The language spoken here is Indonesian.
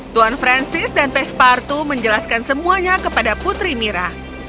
tuan francis dan pespartu menjelaskan semuanya kepada putri mira